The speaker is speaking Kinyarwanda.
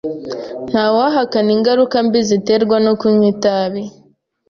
Ntawahakana ingaruka mbi ziterwa no kunywa itabi.